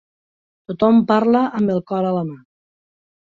Tothom parla amb el cor a la mà.